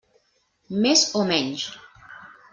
Més o menys.